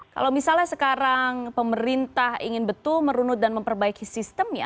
kalau misalnya sekarang pemerintah ingin betul merunut dan memperbaiki sistemnya